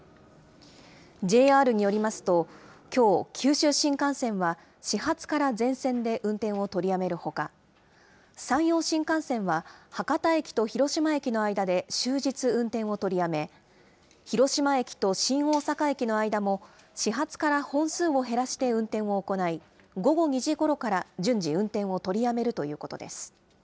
ＪＲによりますと、きょう、九州新幹線は始発から全線で運転を取りやめるほか、山陽新幹線は博多駅と広島駅の間で終日運転を取りやめ、広島駅と新大阪駅の間も始発から本数を減らして運転を行い、午後２時ごろから、順次運転を取りやめるということです。